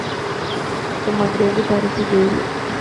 uma grande parte dele